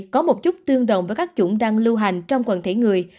có một chút tương đồng với các chủng đang lưu hành trong quần thể người